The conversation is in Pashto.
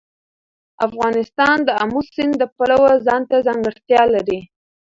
افغانستان د آمو سیند د پلوه ځانته ځانګړتیا لري.